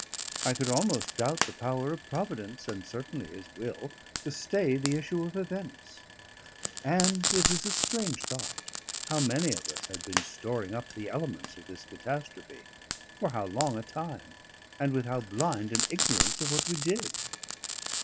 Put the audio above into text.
I could almost doubt the power of Providence (and certainly His will) to stay the issue of events; and it is a strange thought, how many of us had been storing up the elements of this catastrophe, for how long a time, and with how blind an ignorance of what we did.